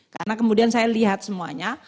karena kemudian saya lihat semuanya